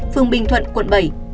phường bình thuận quận bảy